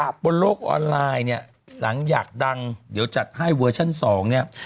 บนโลกออนไลน์เนี่ยหลังอยากดังเดี๋ยวจัดให้เวอร์ชั่นสองเนี่ย